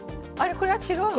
これは違うのか。